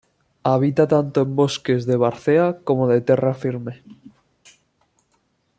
Habita tanto en bosques de várzea como de "terra firme".